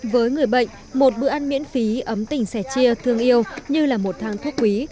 với người bệnh một bữa ăn miễn phí ấm tình sẻ chia thương yêu như là một thang thuốc quý